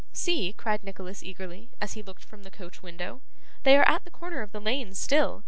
'See,' cried Nicholas eagerly, as he looked from the coach window, 'they are at the corner of the lane still!